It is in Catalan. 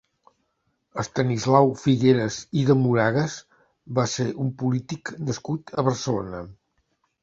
Estanislau Figueras i de Moragas va ser un polític nascut a Barcelona.